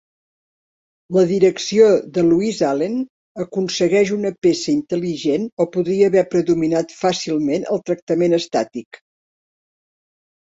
La direcció de Luis Allen aconsegueix una peça intel·ligent o podria haver predominat fàcilment el tractament estàtic.